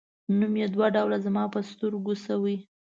نوم یې دوه ډوله زما په سترګو شوی.